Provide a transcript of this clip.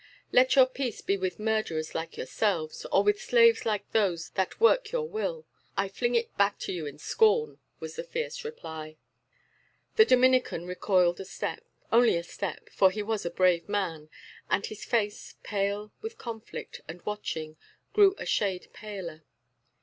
"Let your peace be with murderers like yourselves, or with slaves like those that work your will; I fling it back to you in scorn," was the fierce reply. The Dominican recoiled a step only a step, for he was a brave man, and his face, pale with conflict and watching, grew a shade paler.